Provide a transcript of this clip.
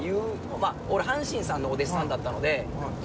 まぁ俺阪神さんのお弟子さんだったので。